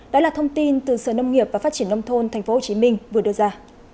đó là thông tin từ sở nông nghiệp và phát triển nông thôn tp hcm vừa đưa ra